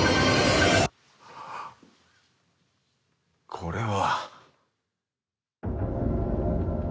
これは。